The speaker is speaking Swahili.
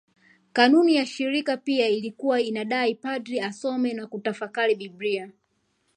Kanuni ya shirika pia ilikuwa inadai padri asome na kutafakari Biblia